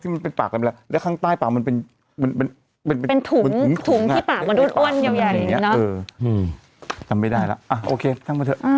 อ้วนเยอะแยะเลยเนี้ยเอออืมจำไม่ได้แล้วอ่ะโอเคทำมาเถอะอืม